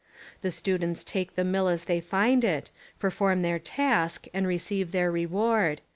The students take the mill as they find it, perform their task and receive their reward.